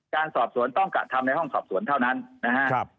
การสอบสวนต้องกะทำในห้องสอบสวนเท่านั้นนะครับ